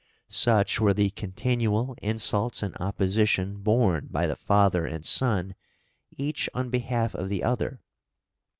Such were the continual insults and opposition borne by the father and son, each on behalf of the other.